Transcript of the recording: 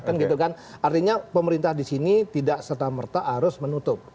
artinya pemerintah di sini tidak serta merta harus menutup